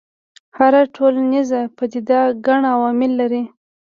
هره ټولنیزه پدیده ګڼ عوامل لري.